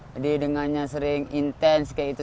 jadi dengannya sering intens kayak gitu